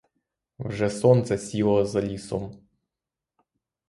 Вже сонце сіло за лісом.